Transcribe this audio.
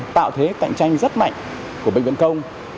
tạo thế cạnh tranh rất mạnh của bệnh viện công